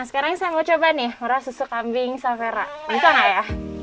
nah sekarang saya mau coba nih merah susu kambing safera bisa nggak ya